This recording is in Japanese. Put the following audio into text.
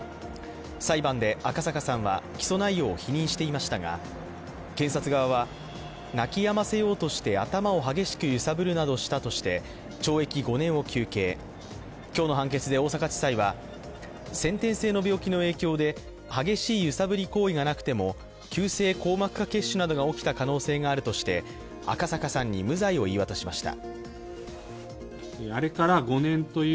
裁判で赤阪さんは起訴内容を否認していましたが、検察側は、泣きやませようとして頭を激しく揺さぶるなどしたとして懲役５年を求刑、今日の判決で大阪地裁は先天性の病気の影響で激しい揺さぶり行為がなくても急性硬膜下血腫などが起きた可能性があるとして赤阪さんに無罪を言い渡しました。